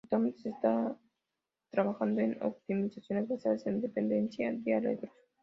Actualmente se está trabajando en optimizaciones basadas en dependencia de arreglos.